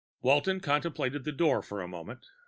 Walton contemplated the door for a moment.